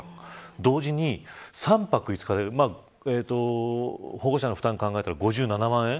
同時に、３泊５日で保護者の負担を考えたら５７万円。